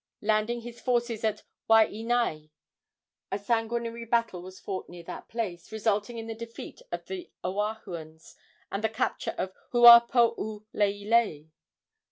Landing his forces at Waianae, a sanguinary battle was fought near that place, resulting in the defeat of the Oahuans and the capture of Huapouleilei.